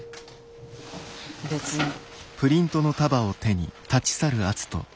別に。